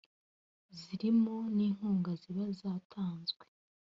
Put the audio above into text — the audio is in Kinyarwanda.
zirimo n’inkunga ziba zatanzwe